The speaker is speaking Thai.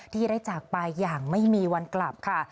ที่ได้จากไปอย่างไม่มีวันกลับค่ะ